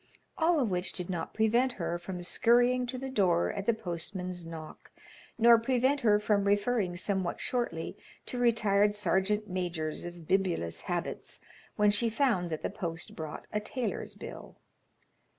All of which did not prevent her from scurrying to the door at the postman's knock, nor prevent her from referring somewhat shortly to retired sergeant majors of bibulous habits when she found that the post brought a tailor's bill.